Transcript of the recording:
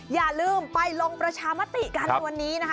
อย่าลืมไปลงประชามติกันในวันนี้นะคะ